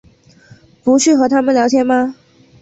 不去和他们聊天吗？